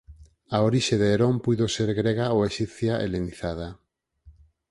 A orixe de Herón puido ser grega ou exipcia helenizada.